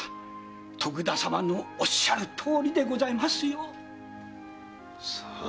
徳田様のおっしゃるとおりでございますよ。さあ。